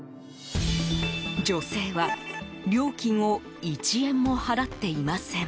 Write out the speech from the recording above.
女性は料金を１円も払っていません。